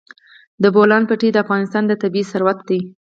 د بولان پټي د افغانستان طبعي ثروت دی.